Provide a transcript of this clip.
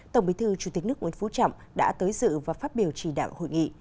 tổng bí thư chủ tịch nước nguyễn phú trọng đã tới dự và phát biểu chỉ đạo hội nghị